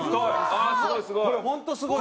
ああすごいすごい。